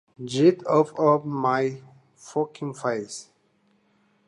Get out of my fucking face".